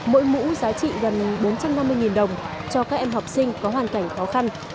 mỗi mũ giá trị gần bốn trăm năm mươi đồng cho các em học sinh có hoàn cảnh khó khăn